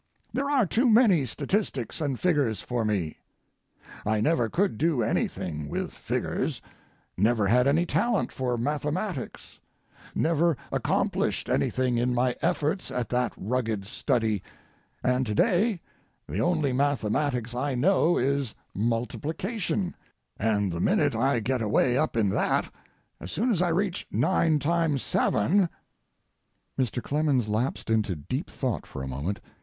There are too many statistics and figures for me. I never could do anything with figures, never had any talent for mathematics, never accomplished anything in my efforts at that rugged study, and to day the only mathematics I know is multiplication, and the minute I get away up in that, as soon as I reach nine times seven— [Mr. Clemens lapsed into deep thought for a moment.